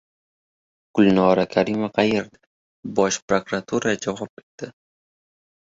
Gulnora Karimova qayerda? Bosh prokuratura javob berdi